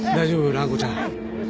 蘭子ちゃん。